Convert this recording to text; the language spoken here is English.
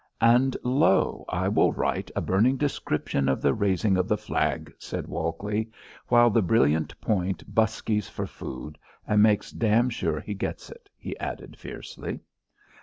"And, lo! I will write a burning description of the raising of the flag," said Walkley. "While the brilliant Point buskies for food and makes damn sure he gets it," he added fiercely.